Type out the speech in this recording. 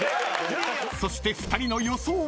［そして２人の予想は］